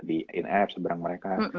inapp seberang mereka